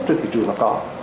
trên thị trường nó có